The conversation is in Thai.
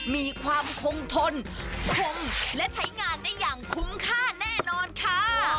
มีความคงทนคงและใช้งานได้อย่างคุ้มค่าแน่นอนค่ะ